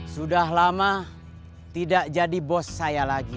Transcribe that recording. sudah lama tidak jadi bos saya lagi